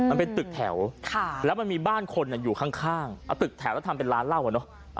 มันเป็นตึกแถวแล้วมันมีบ้านคนอยู่ข้างเอาตึกแถวแล้วทำเป็นร้านเหล้าอ่ะเนอะ